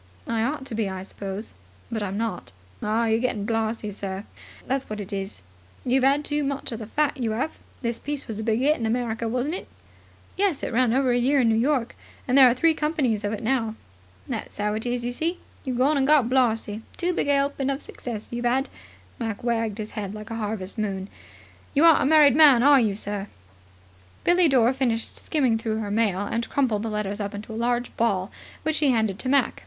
"I ought to be, I suppose. But I'm not." "Ah, you're getting blarzy, sir, that's what it is. You've 'ad too much of the fat, you 'ave. This piece was a big 'it in America, wasn't it?" "Yes. It ran over a year in New York, and there are three companies of it out now." "That's 'ow it is, you see. You've gone and got blarzy. Too big a 'elping of success, you've 'ad." Mac wagged a head like a harvest moon. "You aren't a married man, are you, sir?" Billie Dore finished skimming through her mail, and crumpled the letters up into a large ball, which she handed to Mac.